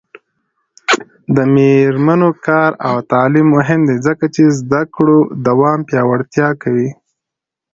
د میرمنو کار او تعلیم مهم دی ځکه چې زدکړو دوام پیاوړتیا کوي.